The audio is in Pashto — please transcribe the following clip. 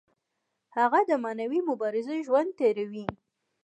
هغه د معنوي مبارزې ژوند تیروي.